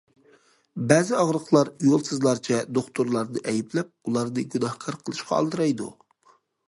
بەزى ئاغرىقلار يولسىزلارچە دوختۇرلارنى ئەيىبلەپ، ئۇلارنى گۇناھكار قىلىشقا ئالدىرايدۇ.